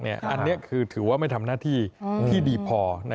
อันนี้คือถือว่าไม่ทำหน้าที่ที่ดีพอ